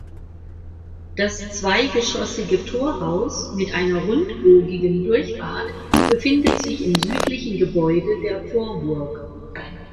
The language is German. Das zweigeschossige Torhaus mit einer rundbogigen Durchfahrt befindet sich im südlichen Gebäude der Vorburg.